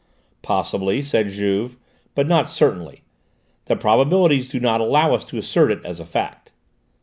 "Possibly," said Juve, "but not certainly. The probabilities do not allow us to assert it as a fact."